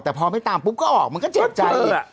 แต่พอไม่ตามปุ๊บก็ออกมันก็เจ็บใจ